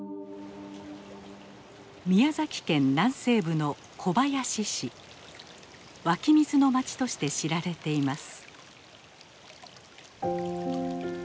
宮崎県南西部の湧き水の町として知られています。